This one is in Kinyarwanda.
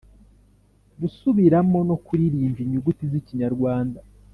-gusubiramo no kuririmba inyuguti z’ikinyarwanda